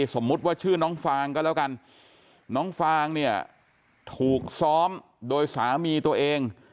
สมมุติว่าชื่อน้องฟางก็แล้วกันน้องฟางเนี่ยถูกซ้อมโดยสามีตัวเอง